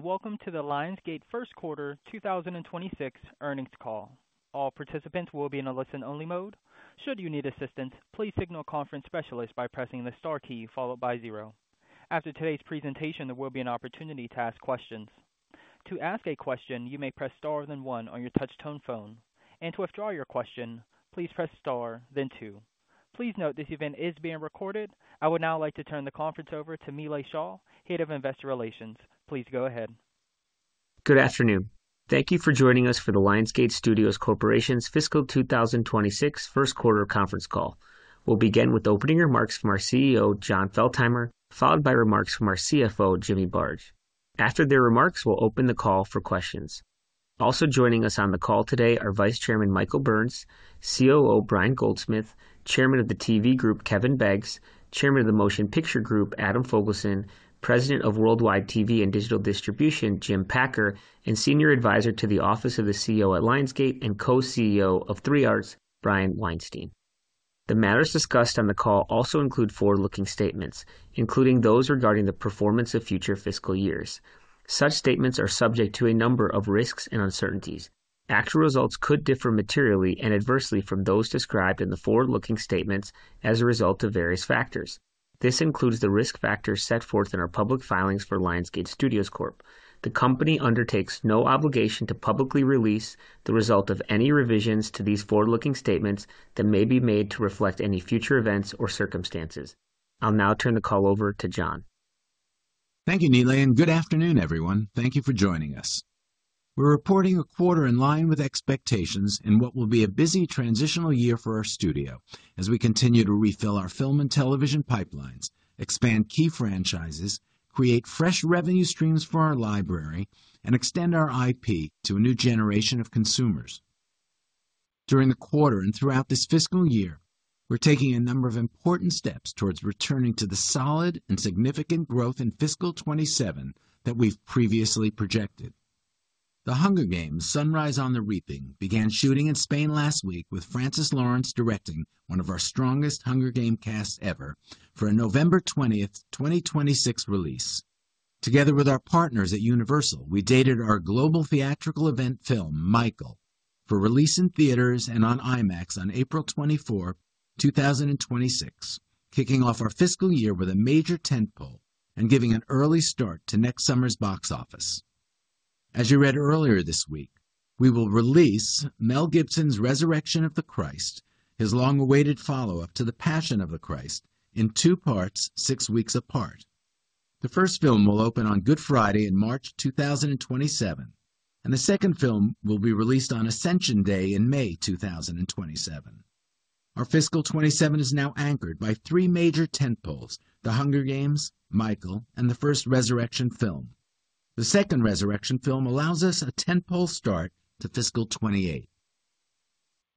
Welcome to the Lionsgate First Quarter 2026 Earnings Call. All participants will be in a listen-only mode. Should you need assistance, please signal a conference specialist by pressing the Star key followed by zero. After today's presentation, there will be an opportunity to ask questions. To ask a question, you may press Star then one on your touch-tone phone. To withdraw your question, please press Star then two. Please note this event is being recorded. I would now like to turn the conference over to Nilay Shah, Head of Investor Relations. Please go ahead. Good afternoon. Thank you for joining us for the Lionsgate Studios Corporation's Fiscal 2026 First Quarter conference Call. We'll begin with opening remarks from our CEO, Jon Feltheimer, followed by remarks from our CFO, Jimmy Barge. After their remarks, we'll open the call for questions. Also joining us on the call today are Vice Chairman Michael Burns, COO Brian Goldsmith, Chairman of the TV Group Kevin Beggs, Chairman of the Motion Picture Group Adam Fogelson, President of Worldwide TV and Digital Distribution Jim Packer, and Senior Advisor to the Office of the CEO at Lionsgate and Co-CEO of 3Rs, Brian Weinstein. The matters discussed on the call also include forward-looking statements, including those regarding the performance of future fiscal years. Such statements are subject to a number of risks and uncertainties. Actual results could differ materially and adversely from those described in the forward-looking statements as a result of various factors. This includes the risk factors set forth in our public filings for Lionsgate Studios Corporation. The company undertakes no obligation to publicly release the result of any revisions to these forward-looking statements that may be made to reflect any future events or circumstances. I'll now turn the call over to Jon. Thank you, Nilay, and good afternoon, everyone. Thank you for joining us. We're reporting a quarter in line with expectations in what will be a busy transitional year for our studio as we continue to refill our film and television pipelines, expand key franchises, create fresh revenue streams for our library, and extend our IP to a new generation of consumers. During the quarter and throughout this fiscal year, we're taking a number of important steps towards returning to the solid and significant growth in fiscal 2027 that we've previously projected. The Hunger Games: Sunrise on the Reaping began shooting in Spain last week with Francis Lawrence directing one of our strongest Hunger Games casts ever for a November 20th, 2026 release. Together with our partners at Universal, we dated our global theatrical event film, Michael, for release in theaters and on IMAX on April 24th, 2026, kicking off our fiscal year with a major tentpole and giving an early start to next summer's box office. As you read earlier this week, we will release Mel Gibson's Resurrection of the Christ, his long-awaited follow-up to The Passion of the Christ, in two parts, six weeks apart. The first film will open on Good Friday in March 2027, and the second film will be released on Ascension Day in May 2027. Our fiscal 2027 is now anchored by three major tentpoles: The Hunger Games, Michael, and the first Resurrection film. The second Resurrection film allows us a tentpole start to fiscal 2028.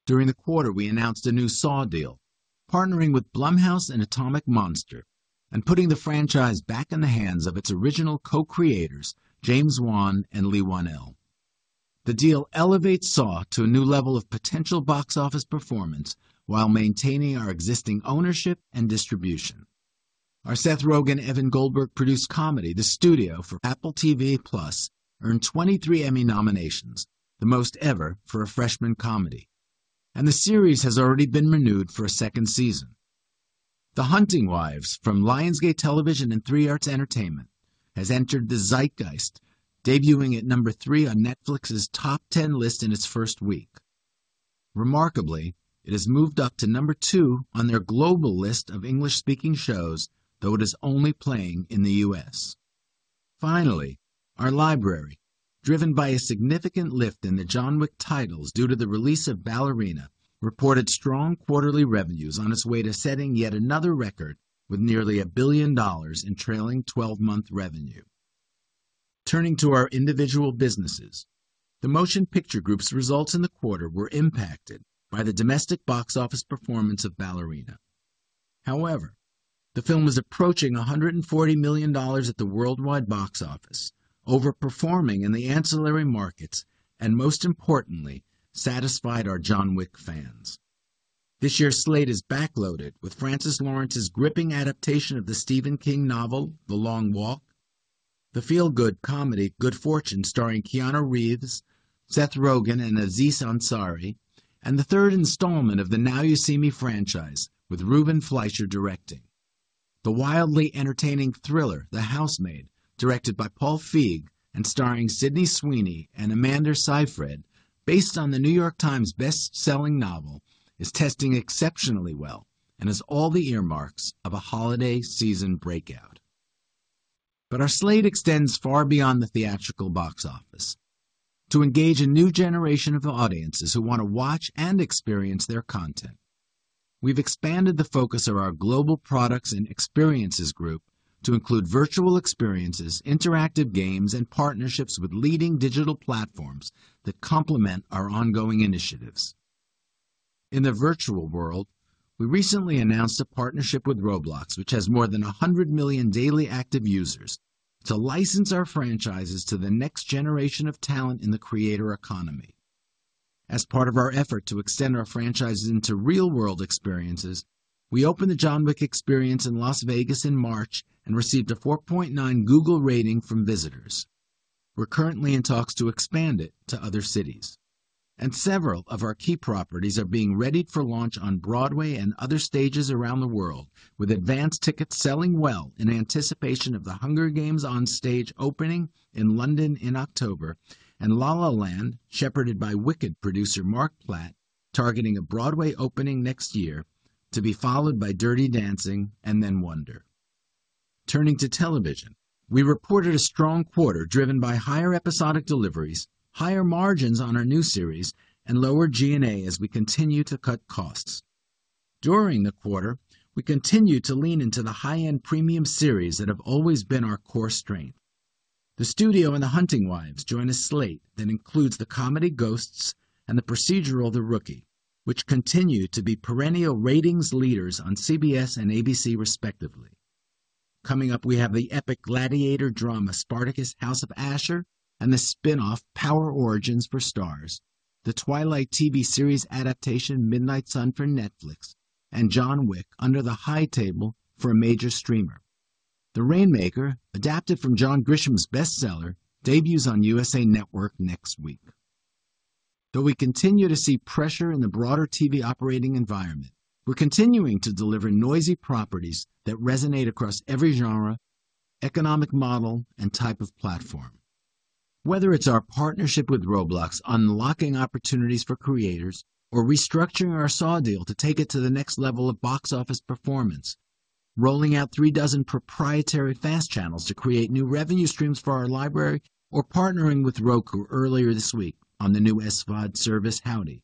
During the quarter, we announced a new Saw deal, partnering with Blumhouse and Atomic Monster and putting the franchise back in the hands of its original co-creators, James Wan and Leigh Whannell. The deal elevates Saw to a new level of potential box office performance while maintaining our existing ownership and distribution. Our Seth Rogen, Evan Goldberg-produced comedy, The Studio, for Apple TV+ earned 23 Emmy nominations, the most ever for a freshman comedy. The series has already been renewed for a second season. The Hunting Wives, from Lionsgate Television and 3Rs Entertainment, has entered the zeitgeist, debuting at number three on Netflix's top 10 list in its first week. Remarkably, it has moved up to number two on their global list of English-speaking shows, though it is only playing in the U.S. Finally, our library, driven by a significant lift in the John Wick titles due to the release of Ballerina, reported strong quarterly revenues on its way to setting yet another record with nearly $1 billion in trailing 12-month revenue. Turning to our individual businesses, the Motion Picture Group's results in the quarter were impacted by the domestic box office performance of Ballerina. However, the film is approaching $140 million at the worldwide box office, overperforming in the ancillary markets, and most importantly, satisfied our John Wick fans. This year's slate is backloaded with Francis Lawrence's gripping adaptation of the Stephen King novel, The Long Walk, the feel-good comedy Good Fortune starring Keanu Reeves, Seth Rogen, and Aziz Ansari, and the third installment of the Now You See Me franchise with Ruben Fleischer directing. The wildly entertaining thriller The Housemaid, directed by Paul Feig and starring Sydney Sweeney and Amanda Seyfried, based on The New York Times' best-selling novel, is testing exceptionally well and has all the earmarks of a holiday season breakout. Our slate extends far beyond the theatrical box office. To engage a new generation of audiences who want to watch and experience their content, we've expanded the focus of our global products and experiences group to include virtual experiences, interactive games, and partnerships with leading digital platforms that complement our ongoing initiatives. In the virtual world, we recently announced a partnership with Roblox, which has more than 100 million daily active users, to license our franchises to the next generation of talent in the creator economy. As part of our effort to extend our franchises into real-world experiences, we opened the John Wick experience in Las Vegas in March and received a 4.9 Google rating from visitors. We're currently in talks to expand it to other cities. Several of our key properties are being readied for launch on Broadway and other stages around the world, with advance tickets selling well in anticipation of The Hunger Games on stage opening in London in October, and La La Land, shepherded by Wicked producer Marc Platt, targeting a Broadway opening next year, to be followed by Dirty Dancing and then Wonder. Turning to television, we reported a strong quarter driven by higher episodic deliveries, higher margins on our new series, and lower G&A as we continue to cut costs. During the quarter, we continue to lean into the high-end premium series that have always been our core strength. The Studio and The Hunting Wives join a slate that includes the comedy Ghosts and the procedural The Rookie, which continue to be perennial ratings leaders on CBS and ABC respectively. Coming up, we have the epic gladiator drama Spartacus: House of Ashur and the spin-off Power Origins for STARZ, the Twilight TV series adaptation Midnight Sun for Netflix, and John Wick: Under the High Table for a major streamer. The Rainmaker, adapted from John Grisham's bestseller, debuts on USA Network next week. Though we continue to see pressure in the broader TV operating environment, we're continuing to deliver noisy properties that resonate across every genre, economic model, and type of platform. Whether it's our partnership with Roblox unlocking opportunities for creators or restructuring our Saw deal to take it to the next level of box office performance, rolling out three dozen proprietary FAST channels to create new revenue streams for our library, or partnering with Roku earlier this week on the new SVOD service Howdy,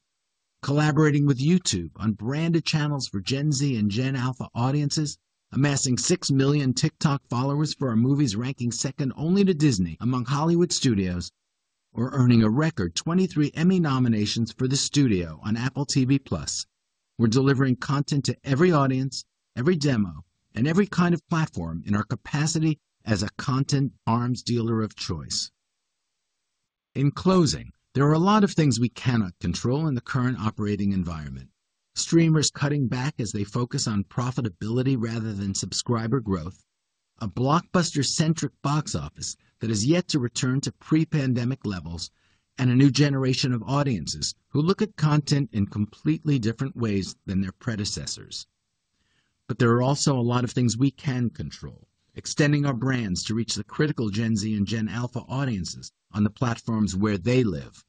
collaborating with YouTube on branded channels for Gen Z and Gen Alpha audiences, amassing 6 million TikTok followers for our movies ranking second only to Disney among Hollywood studios, or earning a record 23 Emmy nominations for The Studio on Apple TV+. We're delivering content to every audience, every demo, and every kind of platform in our capacity as a content arms dealer of choice. In closing, there are a lot of things we cannot control in the current operating environment: streamers cutting back as they focus on profitability rather than subscriber growth, a blockbuster-centric box office that has yet to return to pre-pandemic levels, and a new generation of audiences who look at content in completely different ways than their predecessors. There are also a lot of things we can control, extending our brands to reach the critical Gen Z and Gen Alpha audiences on the platforms where they live,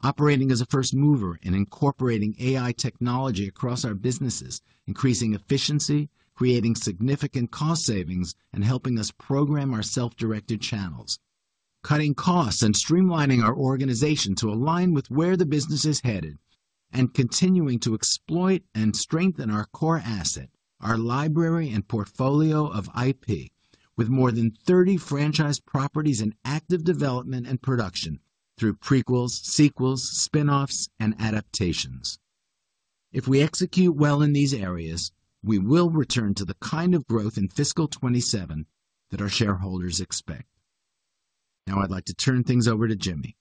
operating as a first mover in incorporating AI technology across our businesses, increasing efficiency, creating significant cost savings, and helping us program our self-directed channels, cutting costs and streamlining our organization to align with where the business is headed, and continuing to exploit and strengthen our core asset, our library and portfolio of IP, with more than 30 franchise properties in active development and production through prequels, sequels, spin-offs, and adaptations. If we execute well in these areas, we will return to the kind of growth in fiscal 2027 that our shareholders expect. Now I'd like to turn things over to Jimmy.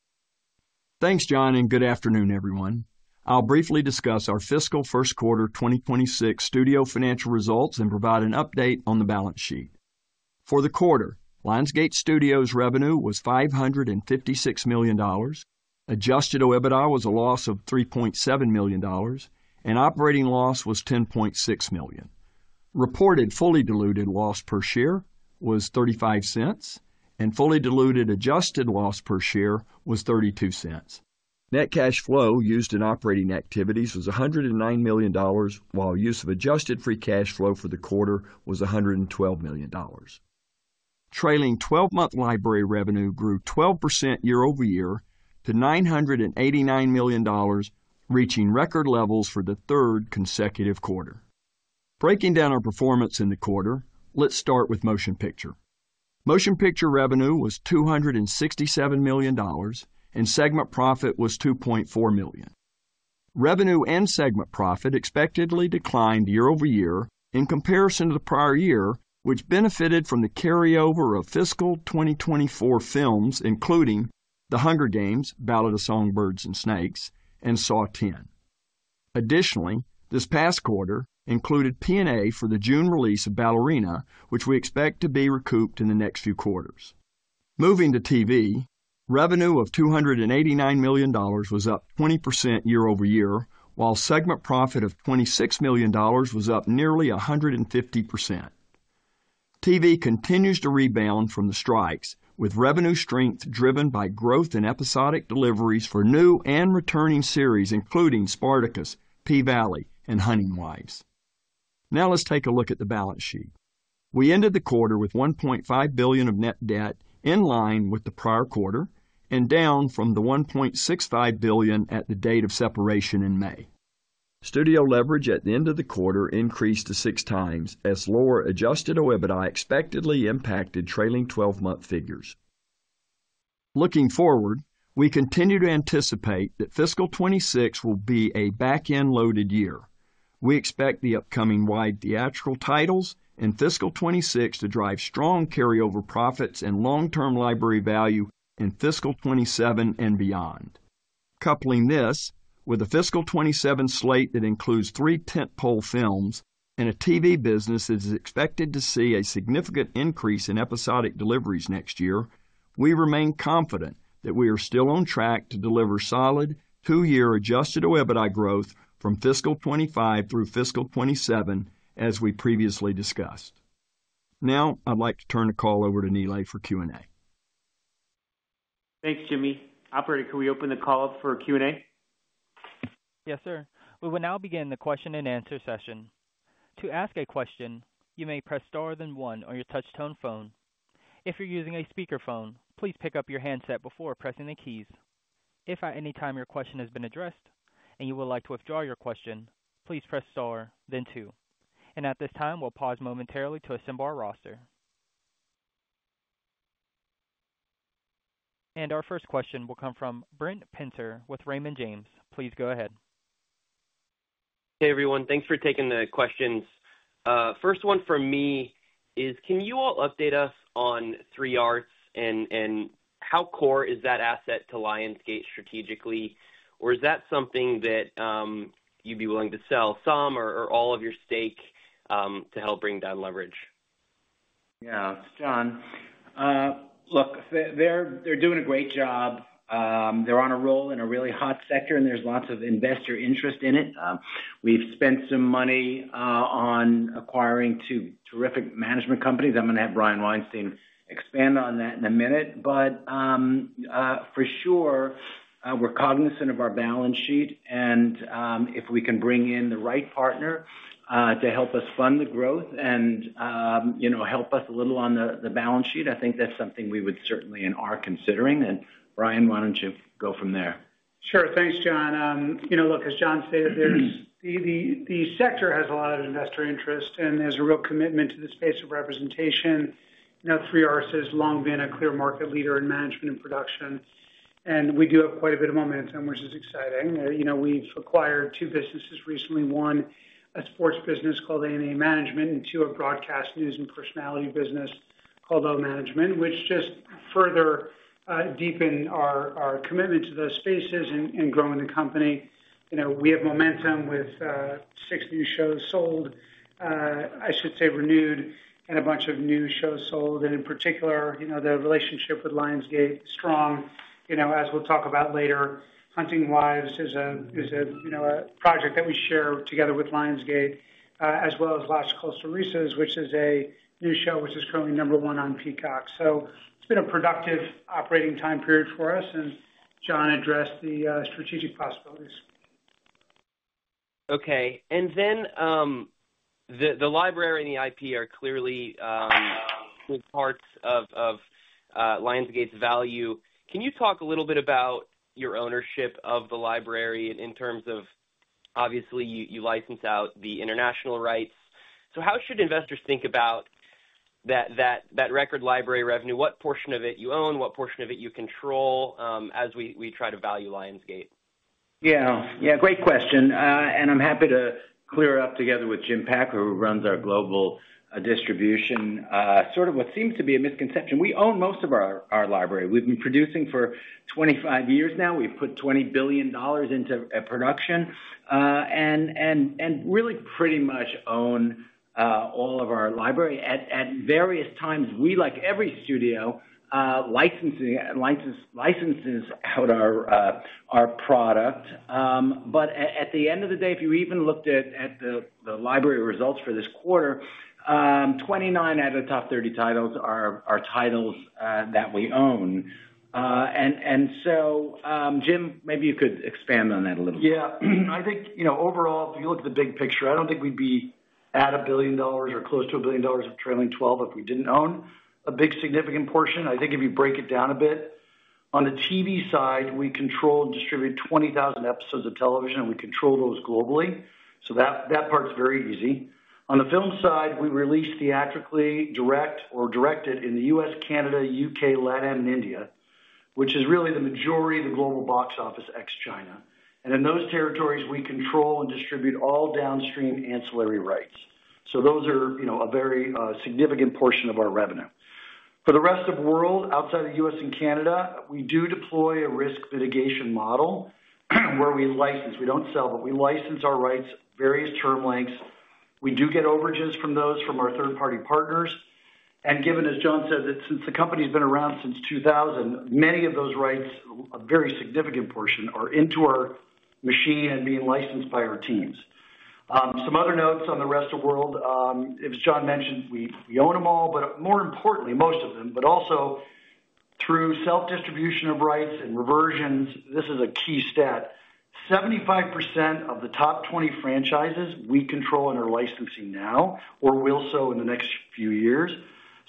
Thanks, Jon, and good afternoon, everyone. I'll briefly discuss our fiscal first quarter 2026 studio financial results and provide an update on the balance sheet. For the quarter, Lionsgate Studios' revenue was $556 million. Adjusted EBITDA was a loss of $3.7 million, and operating loss was $10.6 million. Reported fully diluted loss per share was $0.35, and fully diluted adjusted loss per share was $0.32. Net cash flow used in operating activities was $109 million, while use of adjusted free cash flow for the quarter was $112 million. Trailing 12-month library revenue grew 12% year-over-year to $989 million, reaching record levels for the third consecutive quarter. Breaking down our performance in the quarter, let's start with motion picture. Motion picture revenue was $267 million, and segment profit was $2.4 million. Revenue and segment profit expectedly declined year-over-year in comparison to the prior year, which benefited from the carryover of fiscal 2024 films, including The Hunger Games: The Ballad of Songbirds and Snakes and Saw X. Additionally, this past quarter included P&A for the June release of Ballerina, which we expect to be recouped in the next few quarters. Moving to TV, revenue of $289 million was up 20% year-over-year, while segment profit of $26 million was up nearly 150%. TV continues to rebound from the strikes, with revenue strength driven by growth in episodic deliveries for new and returning series, including Spartacus, P-Valley, and Hunting Wives. Now let's take a look at the balance sheet. We ended the quarter with $1.5 billion of net debt in line with the prior quarter and down from the $1.65 billion at the date of separation in May. Studio leverage at the end of the quarter increased to 6x, as lower adjusted EBITDA expectedly impacted trailing 12-month figures. Looking forward, we continue to anticipate that fiscal 2026 will be a back-end loaded year. We expect the upcoming wide theatrical titles in fiscal 2026 to drive strong carryover profits and long-term library value in fiscal 2027 and beyond. Coupling this with a fiscal 2027 slate that includes three tentpole films and a TV business that is expected to see a significant increase in episodic deliveries next year, we remain confident that we are still on track to deliver solid two-year adjusted EBITDA growth from fiscal 2025 through fiscal 2027, as we previously discussed. Now I'd like to turn the call over to Nilay for Q&A. Thanks, Jimmy. Operator, could we open the call up for Q&A? Yes, sir. We will now begin the question-and-answer session. To ask a question, you may press Star then one on your touch-tone phone. If you're using a speakerphone, please pick up your handset before pressing the keys. If at any time your question has been addressed and you would like to withdraw your question, please press Star then two. At this time, we'll pause momentarily to assemble our roster. Our first question will come from Brent Penter with Raymond James. Please go ahead. Hey, everyone. Thanks for taking the questions. First one for me is, can you all update us on 3Rs and how core is that asset to Lionsgate strategically? Is that something that you'd be willing to sell some or all of your stake to help bring down leverage? Yeah, it's Jon. Look, they're doing a great job. They're on a roll in a really hot sector, and there's lots of investor interest in it. We've spent some money on acquiring two terrific management companies. I'm going to have Brian Weinstein expand on that in a minute. For sure, we're cognizant of our balance sheet. If we can bring in the right partner to help us fund the growth and help us a little on the balance sheet, I think that's something we would certainly and are considering. Brian, why don't you go from there? Sure. Thanks, Jon. You know, look, as Jon stated, the sector has a lot of investor interest, and there's a real commitment to the space of representation. 3Rs has long been a clear market leader in management and production. We do have quite a bit of momentum, which is exciting. We've acquired two businesses recently: one, a sports business called A&E management, and two, a broadcast news and personality business called OManagement, which just further deepened our commitment to those spaces and growing the company. We have momentum with six new shows sold—I should say renewed—and a bunch of new shows sold. In particular, the relationship with Lionsgate is strong, as we'll talk about later. Hunting Wives is a project that we share together with Lionsgate, as well as Last Call Cerezas, which is a new show that is currently number one on Peacock. It's been a productive operating time period for us. Jon addressed the strategic possibilities. Okay. The library and the IP are clearly big parts of Lionsgate's value. Can you talk a little bit about your ownership of the library in terms of, obviously, you license out the international rights? How should investors think about that record library revenue? What portion of it you own, what portion of it you control as we try to value Lionsgate? Yeah, great question. I'm happy to clear it up together with Jim Packer, who runs our global distribution. What seems to be a misconception, we own most of our library. We've been producing for 25 years now. We've put $20 billion into production, and really pretty much own all of our library. At various times, we, like every studio, license out our product. At the end of the day, if you even looked at the library results for this quarter, 29 out of the top 30 titles are titles that we own. Jim, maybe you could expand on that a little bit. Yeah, I think overall, if you look at the big picture, I don't think we'd be at $1 billion or close to $1 billion of trailing 12-month library revenue if we didn't own a big significant portion. I think if you break it down a bit, on the TV side, we control and distribute 20,000 episodes of television, and we control those globally. That part's very easy. On the film side, we release theatrically direct or directed in the U.S., Canada, U.K., LatAm, and India, which is really the majority of the global box office ex-China. In those territories, we control and distribute all downstream ancillary rights. Those are a very significant portion of our revenue. For the rest of the world, outside of the U.S. and Canada, we do deploy a risk mitigation model where we license. We don't sell, but we license our rights, various term lengths. We do get overages from those from our third-party partners. Given, as Jon said, that since the company has been around since 2000, many of those rights, a very significant portion, are into our machine and being licensed by our teams. Some other notes on the rest of the world, as Jon mentioned, we own them all, but more importantly, most of them, but also through self-distribution of rights and reversions. This is a key stat. 75% of the top 20 franchises we control and are licensing now or will so in the next few years.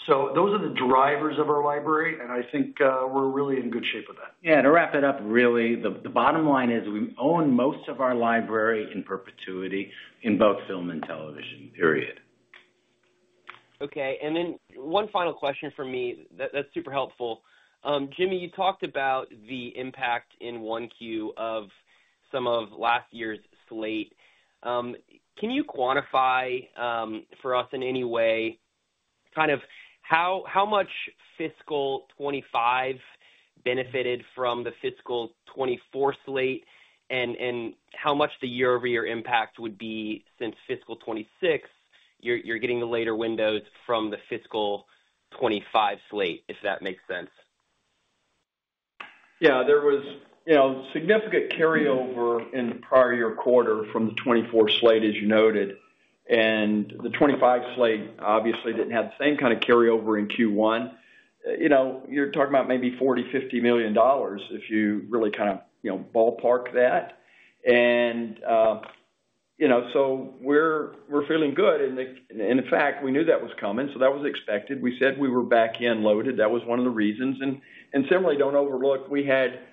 Those are the drivers of our library. I think we're really in good shape with that. Yeah, to wrap it up, really, the bottom line is we own most of our library in perpetuity in both film and television, period. Okay. One final question from me. That's super helpful. Jimmy, you talked about the impact in Q1 of some of last year's slate. Can you quantify for us in any way kind of how much fiscal 2025 benefited from the fiscal 2024 slate and how much the year-over-year impact would be since fiscal 2026? You're getting the later windows from the fiscal 2025 slate, if that makes sense. Yeah, there was significant carryover in the prior year quarter from the 2024 slate, as you noted. The 2025 slate obviously didn't have the same kind of carryover in Q1. You're talking about maybe $40 million, $50 million if you really kind of ballpark that. We're feeling good. In fact, we knew that was coming. That was expected. We said we were back-end loaded. That was one of the reasons. Similarly, don't overlook, we had three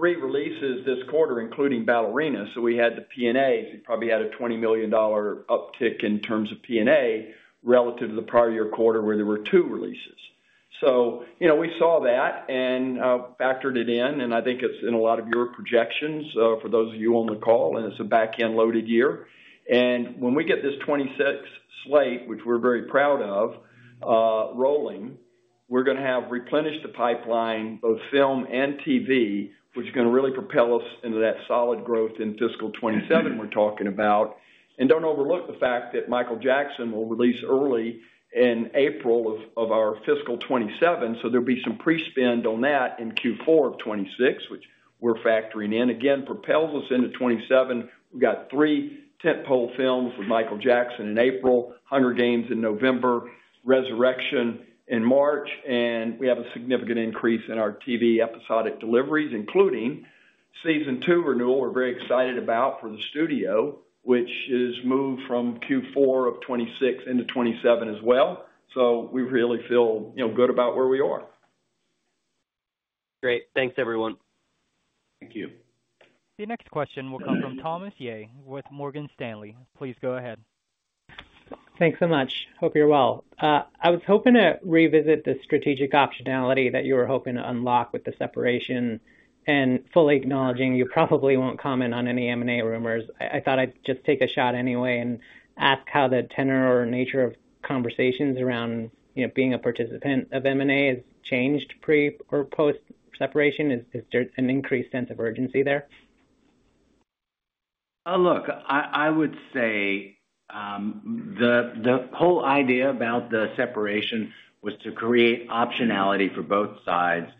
releases this quarter, including Ballerina. We had the P&A. We probably had a $20 million uptick in terms of P&A relative to the prior year quarter where there were two releases. We saw that and factored it in. I think it's in a lot of your projections for those of you on the call. It's a back-end loaded year. When we get this 2026 slate, which we're very proud of rolling, we're going to have replenished the pipeline, both film and TV, which is going to really propel us into that solid growth in fiscal 2027 we're talking about. Don't overlook the fact that Michael will release early in April of our fiscal 2027. There will be some pre-spend on that in Q4 of 2026, which we're factoring in. Again, propels us into 2027. We've got three tentpole films with Michael in April, The Hunger Games: Sunrise on the Reaping in November, Resurrection of the Christ in March. We have a significant increase in our TV episodic deliveries, including season two renewal we're very excited about for the studio, which is moved from Q4 of 2026 into 2027 as well. We really feel good about where we are. Great. Thanks, everyone. Thank you. The next question will come from Thomas Yeh with Morgan Stanley. Please go ahead. Thanks so much. Hope you're well. I was hoping to revisit the strategic optionality that you were hoping to unlock with the separation and fully acknowledging you probably won't comment on any M&A rumors. I thought I'd just take a shot anyway and ask how the tenor or nature of conversations around being a participant of M&A has changed pre or post-separation. Is there an increased sense of urgency there? Look, I would say the whole idea about the separation was to create optionality for both sides.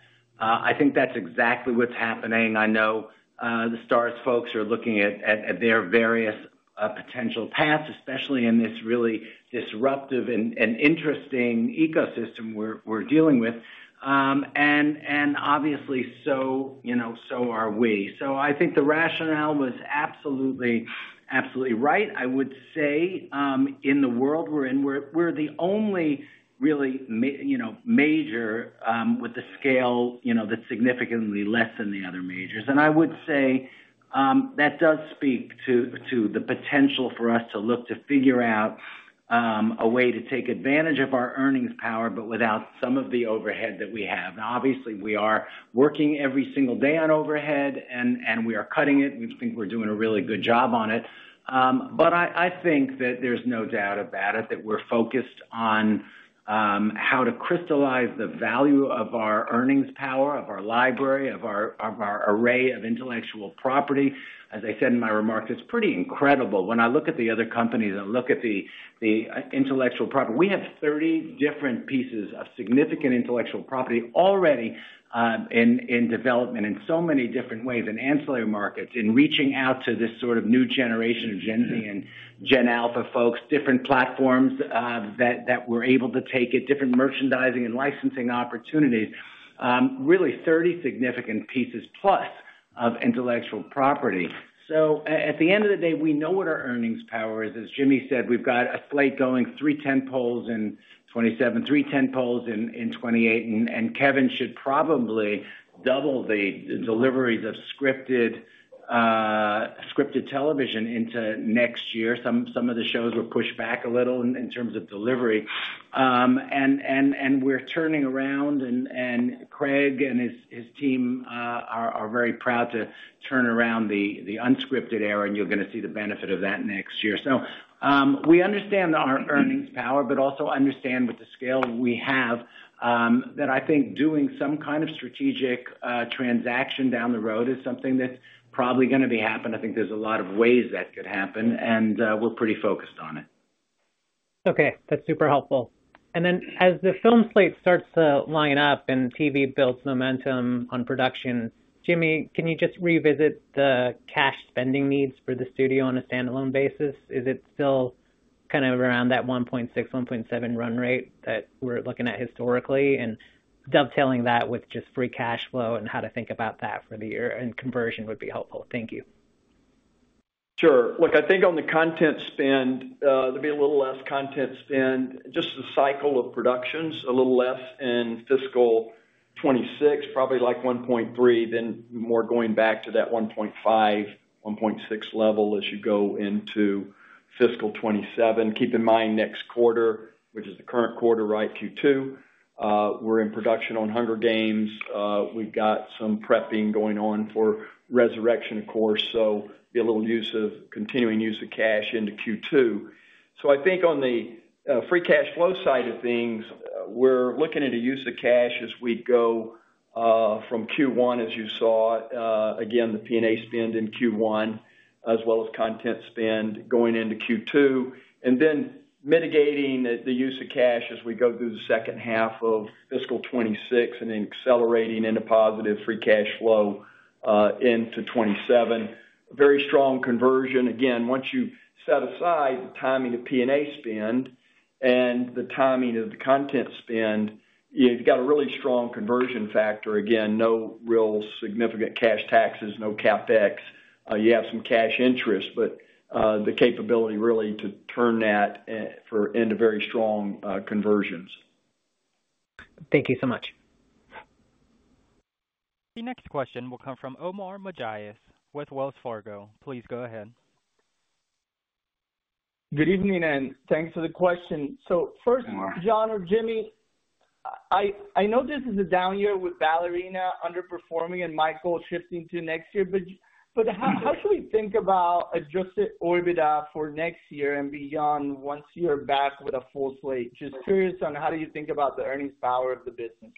I think that's exactly what's happening. I know the Starz folks are looking at their various potential paths, especially in this really disruptive and interesting ecosystem we're dealing with. Obviously, so are we. I think the rationale was absolutely right. I would say in the world we're in, we're the only really major with a scale that's significantly less than the other majors. I would say that does speak to the potential for us to look to figure out a way to take advantage of our earnings power, but without some of the overhead that we have. Obviously, we are working every single day on overhead, and we are cutting it. We think we're doing a really good job on it. I think that there's no doubt about it that we're focused on how to crystallize the value of our earnings power, of our library, of our array of intellectual property. As I said in my remarks, it's pretty incredible. When I look at the other companies and look at the intellectual property, we have 30 different pieces of significant intellectual property already in development in so many different ways, in ancillary markets, in reaching out to this sort of new generation of Gen Z and Gen Alpha folks, different platforms that we're able to take it, different merchandising and licensing opportunities, really 30 significant pieces plus of intellectual property. At the end of the day, we know what our earnings power is. As Jimmy said, we've got a slate going, three tentpoles in 2027, three tentpoles in 2028. Kevin should probably double the deliveries of scripted television into next year. Some of the shows were pushed back a little in terms of delivery. We're turning around, and Craig and his team are very proud to turn around the unscripted error. You're going to see the benefit of that next year. We understand our earnings power, but also understand with the scale we have that I think doing some kind of strategic transaction down the road is something that's probably going to be happening. I think there's a lot of ways that could happen. We're pretty focused on it. Okay, that's super helpful. As the film slate starts to line up and TV builds momentum on production, Jimmy, can you just revisit the cash spending needs for the studio on a standalone basis? Is it still kind of around that $1.6 million, $1.7 million run rate that we're looking at historically? Dovetailing that with just free cash flow and how to think about that for the year in conversion would be helpful. Thank you. Sure. Look, I think on the content spend, there'll be a little less content spend, just the cycle of productions, a little less in fiscal 2026, probably like $1.3 billion, then more going back to that $1.5 billion, $1.6 billion level as you go into fiscal 2027. Keep in mind next quarter, which is the current quarter, right, Q2. We're in production on The Hunger Games:. We've got some prepping going on for Resurrection of course. There will be a little use of continuing use of cash into Q2. I think on the free cash flow side of things, we're looking at a use of cash as we go from Q1, as you saw. Again, the P&A spend in Q1, as well as content spend going into Q2. Then mitigating the use of cash as we go through the second half of fiscal 2026 and accelerating into positive free cash flow into 2027. Very strong conversion. Again, once you set aside the timing of P&A spend and the timing of the content spend, you've got a really strong conversion factor. Again, no real significant cash taxes, no CapEx. You have some cash interest, but the capability really to turn that into very strong conversions. Thank you so much. The next question will come from Omar Mejias with Wells Fargo. Please go ahead. Good evening, and thanks for the question. Jon or Jimmy, I know this is a down year with Ballerina underperforming and Michael shifting to next year. How should we think about adjusted EBITDA for next year and beyond once you're back with a full slate? Just curious on how do you think about the earnings power of the business?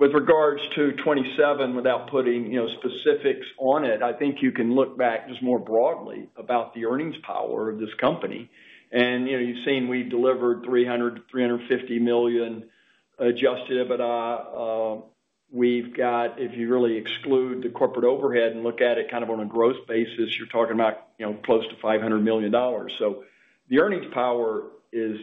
With regards to 2027, without putting specifics on it, I think you can look back just more broadly about the earnings power of this company. You've seen we delivered $300 million, $350 million adjusted EBITDA. If you really exclude the corporate overhead and look at it kind of on a growth basis, you're talking about close to $500 million. The earnings power is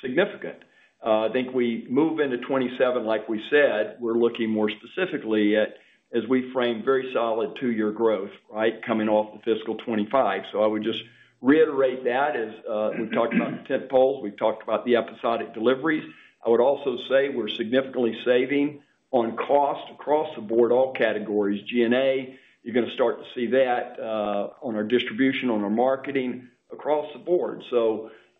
significant. I think as we move into 2027, like we said, we're looking more specifically at, as we framed, very solid two-year growth, right, coming off the fiscal 2025. I would just reiterate that as we've talked about tentpoles, we've talked about the episodic deliveries. I would also say we're significantly saving on cost across the board, all categories. G&A, you're going to start to see that on our distribution, on our marketing across the board.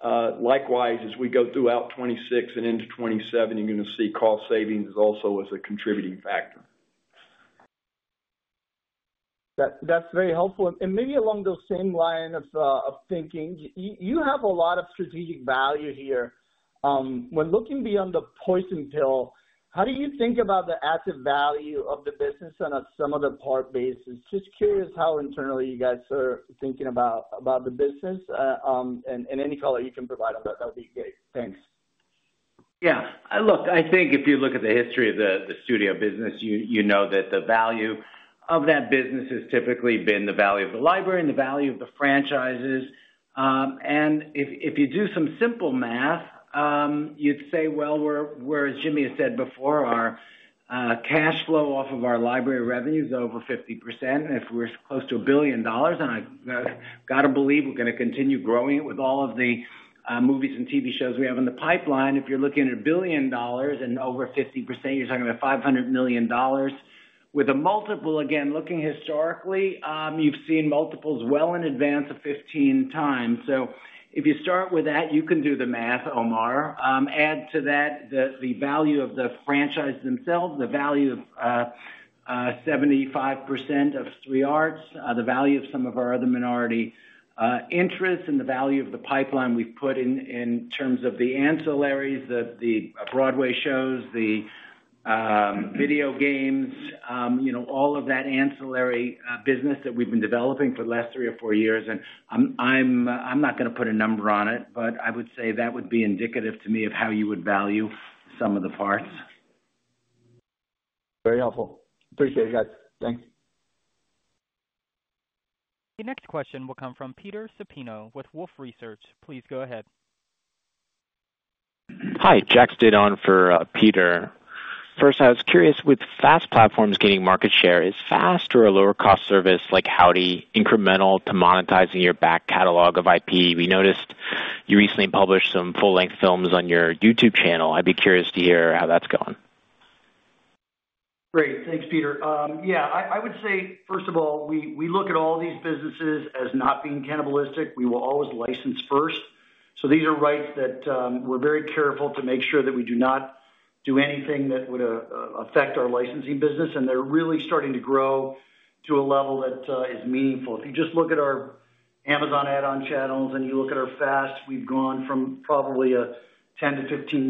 Likewise, as we go throughout 2026 and into 2027, you're going to see cost savings also as a contributing factor. That's very helpful. Maybe along those same lines of thinking, you have a lot of strategic value here. When looking beyond the poison pill, how do you think about the asset value of the business on a sum-of-the-parts basis? Just curious how internally you guys are thinking about the business and any color you can provide on that. That would be great. Thanks. Yeah, look, I think if you look at the history of the studio business, you know that the value of that business has typically been the value of the library and the value of the franchises. If you do some simple math, you'd say, whereas Jimmy has said before, our cash flow off of our library revenue is over 50%. If we're close to $1 billion, and I've got to believe we're going to continue growing it with all of the movies and TV shows we have in the pipeline. If you're looking at $1 billion and over 50%, you're talking about $500 million with a multiple. Again, looking historically, you've seen multiples well in advance of 15 times. If you start with that, you can do the math, Omar. Add to that the value of the franchises themselves, the value of 75% of 3Rs, the value of some of our other minority interests, and the value of the pipeline we've put in terms of the ancillaries, the Broadway shows, the video games, all of that ancillary business that we've been developing for the last three or four years. I'm not going to put a number on it, but I would say that would be indicative to me of how you would value some of the parts. Very helpful. Appreciate it, guys. Thanks. The next question will come from Peter Sapino with Wolfe Research. Please go ahead. Hi, Jack Stidon for Peter. First, I was curious, with SaaS platforms getting market share, is SaaS or a lower-cost service like Howdy incremental to monetizing your back catalog of IP? We noticed you recently published some full-length films on your YouTube channel. I'd be curious to hear how that's going. Great. Thanks, Peter. I would say, first of all, we look at all these businesses as not being cannibalistic. We will always license first. These are rights that we're very careful to make sure that we do not do anything that would affect our licensing business. They're really starting to grow to a level that is meaningful. If you just look at our Amazon Add-On channels and you look at our SaaS, we've gone from probably a $10 million-$15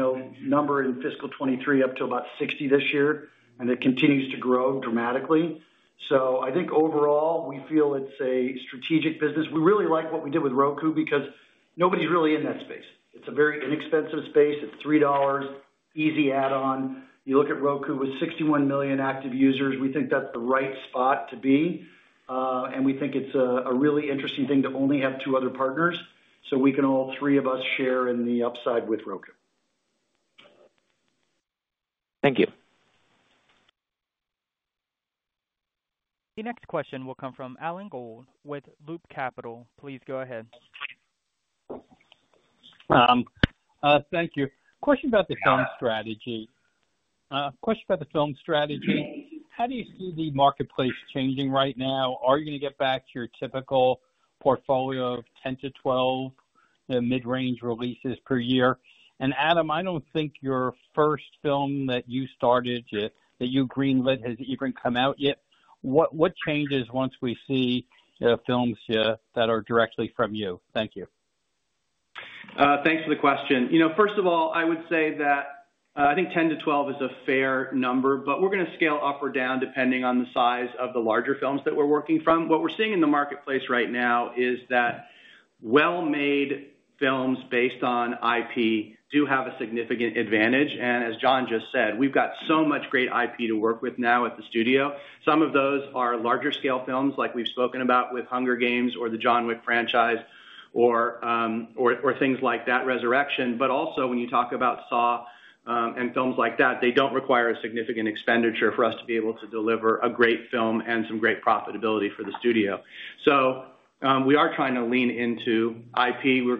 million number in fiscal 2023 up to about $60 million this year. It continues to grow dramatically. I think overall, we feel it's a strategic business. We really like what we did with Roku because nobody's really in that space. It's a very inexpensive space. It's $3, easy add-on. You look at Roku with 61 million active users. We think that's the right spot to be. We think it's a really interesting thing to only have two other partners, so all three of us can share in the upside with Roku. Thank you. The next question will come from Alan Gould with Loop Capital. Please go ahead. Thank you. Question about the film strategy. How do you see the marketplace changing right now? Are you going to get back to your typical portfolio of 10 -12 mid-range releases per year? Adam, I don't think your first film that you started that you greenlit has even come out yet. What changes once we see films that are directly from you? Thank you. Thanks for the question. First of all, I would say that I think 10-12 is a fair number. We are going to scale up or down depending on the size of the larger films that we are working from. What we are seeing in the marketplace right now is that well-made films based on IP do have a significant advantage. As Jon just said, we have got so much great IP to work with now at the studio. Some of those are larger-scale films like we have spoken about with The Hunger Games or the John Wick franchise or things like that, Resurrection. Also, when you talk about Saw and films like that, they do not require a significant expenditure for us to be able to deliver a great film and some great profitability for the studio. We are trying to lean into IP. We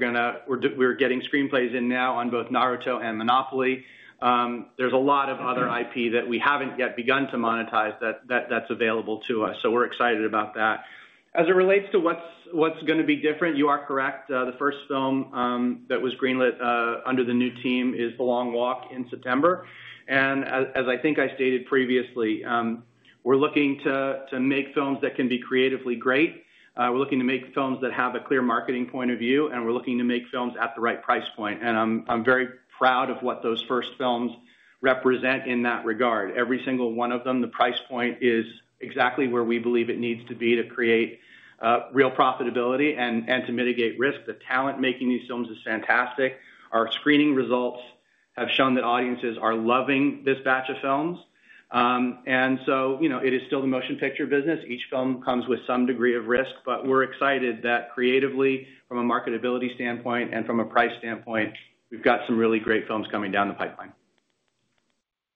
are getting screenplays in now on both Naruto and Monopoly. There is a lot of other IP that we have not yet begun to monetize that is available to us. We are excited about that. As it relates to what is going to be different, you are correct. The first film that was greenlit under the new team is The Long Walk in September. As I think I stated previously, we are looking to make films that can be creatively great. We are looking to make films that have a clear marketing point of view. We are looking to make films at the right price point. I am very proud of what those first films represent in that regard. Every single one of them, the price point is exactly where we believe it needs to be to create real profitability and to mitigate risk. The talent making these films is fantastic. Our screening results have shown that audiences are loving this batch of films. It is still the motion picture business. Each film comes with some degree of risk. We are excited that creatively, from a marketability standpoint and from a price standpoint, we have got some really great films coming down the pipeline.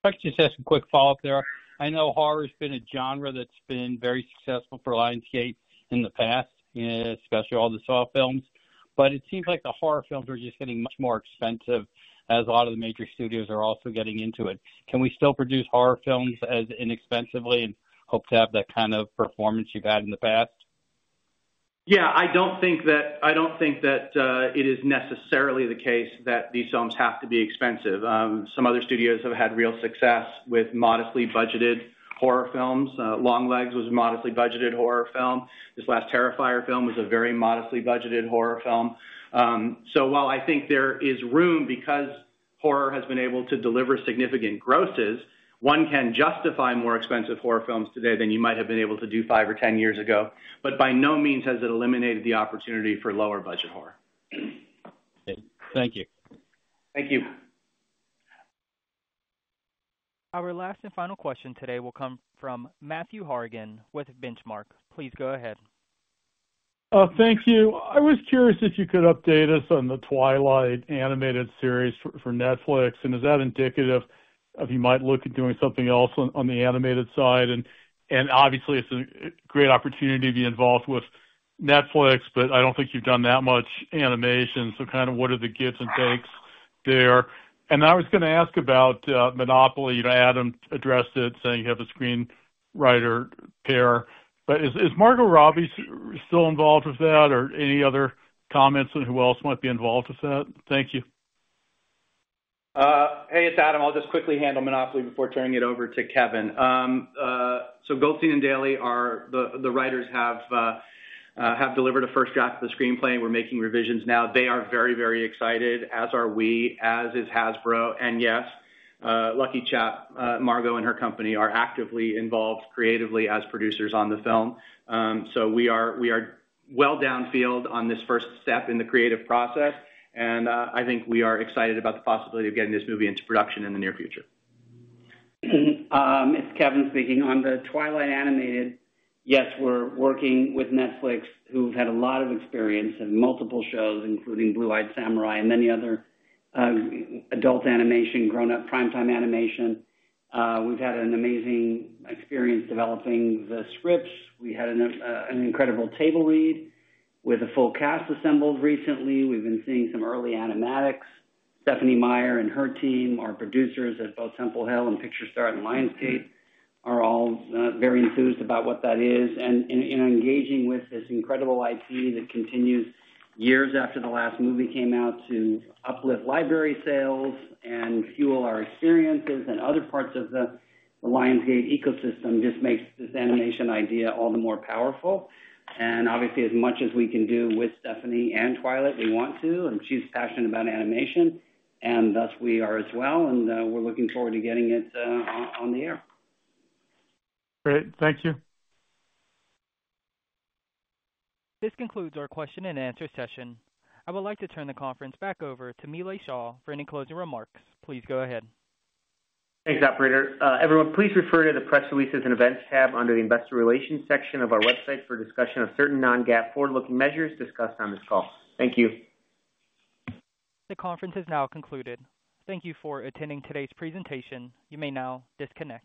I'd like to just have some quick follow-up there. I know horror has been a genre that's been very successful for Lionsgate in the past, especially all the Saw films. It seems like the horror films are just getting much more expensive as a lot of the major studios are also getting into it. Can we still produce horror films as inexpensively and hope to have that kind of performance you've had in the past? Yeah, I don't think that it is necessarily the case that these films have to be expensive. Some other studios have had real success with modestly budgeted horror films. Longlegs was a modestly budgeted horror film. This last Terrifier film was a very modestly budgeted horror film. While I think there is room because horror has been able to deliver significant grosses, one can justify more expensive horror films today than you might have been able to do five or 10 years ago. By no means has it eliminated the opportunity for lower-budget horror. Thank you. Thank you. Our last and final question today will come from Matthew Harrigan with Benchmark. Please go ahead. Thank you. I was curious if you could update us on the Twilight animated series for Netflix. Is that indicative of you might look at doing something else on the animated side? Obviously, it's a great opportunity to be involved with Netflix. I don't think you've done that much animation. What are the gifts and takes there? I was going to ask about Monopoly. Adam addressed it, saying you have a screenwriter pair. Is Margot Robbie still involved with that? Any other comments on who else might be involved with that? Thank you. Hey, it's Adam. I'll just quickly handle Monopoly before turning it over to Kevin. Goldstein and Daley, the writers, have delivered a first draft of the screenplay. We're making revisions now. They are very, very excited, as are we, as is Hasbro. Yes, LuckyChap, Margot, and her company are actively involved creatively as producers on the film. We are well downfield on this first step in the creative process, and I think we are excited about the possibility of getting this movie into production in the near future. It's Kevin speaking. On the Twilight animated, yes, we're working with Netflix, who've had a lot of experience in multiple shows, including Blue Eye Samurai and many other adult animation, grown-up primetime animation. We've had an amazing experience developing the scripts. We had an incredible table read with a full cast assembled recently. We've been seeing some early animatics. Stephenie Meyer and her team, our producers at both Temple Hill and Picture Start and Lionsgate, are all very enthused about what that is and in engaging with this incredible IP that continues years after the last movie came out to uplift library sales and fuel our experiences and other parts of the Lionsgate ecosystem. It just makes this animation idea all the more powerful. Obviously, as much as we can do with Stephenie and Twilight, they want to. She's passionate about animation. Thus, we are as well. We're looking forward to getting it on the air. Great. Thank you. This concludes our question-and-answer session. I would like to turn the conference back over to Nilay Shah for any closing remarks. Please go ahead. Thanks, Operator. Everyone, please refer to the press releases and events tab under the Investor Relations section of our website for a discussion of certain non-GAAP forward-looking measures discussed on this call. Thank you. The conference is now concluded. Thank you for attending today's presentation. You may now disconnect.